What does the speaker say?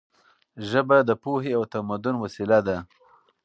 ژبه د پوهې او تمدن وسیله ده.